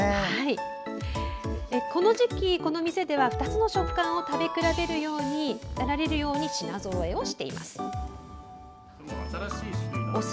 この時期この店では、２つの食感を食べ比べられるように品ぞろえをしています。